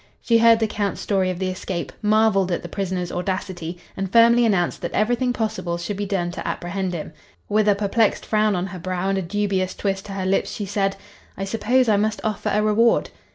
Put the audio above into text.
She heard the count's story of the escape, marveled at the prisoner's audacity, and firmly announced that everything possible should be done to apprehend him. With a perplexed frown on her brow and a dubious twist to her lips, she said; "I suppose I must offer a reward."